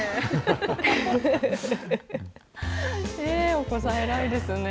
お子さん、偉いですね。